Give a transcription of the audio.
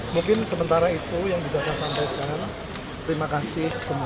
mungkin sementara itu yang bisa saya sampaikan terima kasih semua